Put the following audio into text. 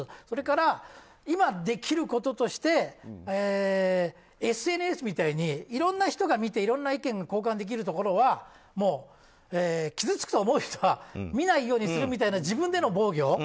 それから、今できることとしてＳＮＳみたいにいろんな人が見ていろんな意見を交換できるところは傷つくと思う人は見ないようにするという自分でも防御。